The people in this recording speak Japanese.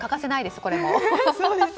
これも。